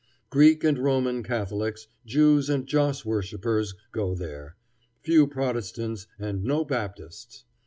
Greek and Roman Catholics, Jews and joss worshipers, go there; few Protestants, and no Baptists.